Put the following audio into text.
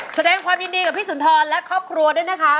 แสดงความยินดีกับพี่สุนทรและครอบครัวด้วยนะคะ